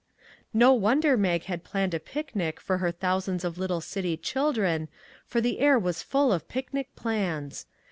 No wonder Mag had planned a picnic for her thousands of little city children, for the air was full of picnic plans.